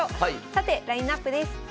さてラインナップです。